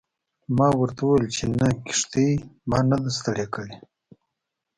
ما ورته وویل چې نه کښتۍ ما نه ده ستړې کړې.